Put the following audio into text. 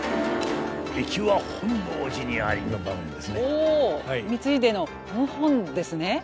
お光秀の謀反ですね。